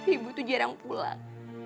ibu tuh jarang pulang